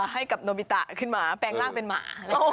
ให้กับโนบิตะขึ้นมาแปลงร่างเป็นหมา